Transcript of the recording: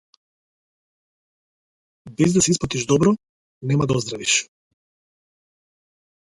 Без да се испотиш добро нема да оздравиш.